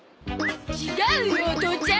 違うよ父ちゃん。